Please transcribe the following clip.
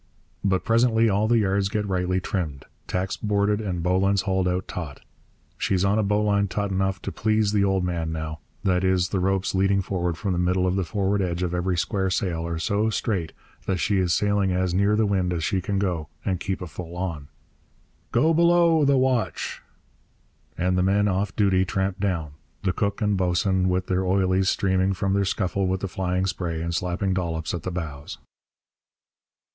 But presently all the yards get rightly trimmed, tacks boarded, and bowlines hauled out taut. She's on a bowline taut enough to please the old man now; that is, the ropes leading forward from the middle of the forward edge of every square sail are so straight that she is sailing as near the wind as she can go and keep a full on. 'Go below, the watch!' and the men off duty tramp down, the cook and boatswain with their 'oilies' streaming from their scuffle with the flying spray and slapping dollops at the bows.